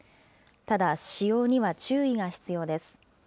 ただ、使用には注意が必要です。